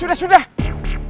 sudah sudah sudah